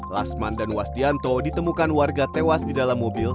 lasman dan wasdianto ditemukan warga tewas di dalam mobil